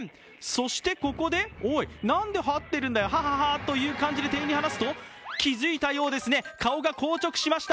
そして、ここでおい、何ではっているんだよ、ハハハという感じで店員に話すと、気付いたようですね、顔が硬直しました。